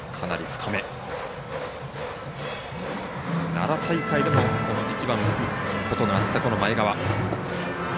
奈良大会でも１番を打つことのあった前川。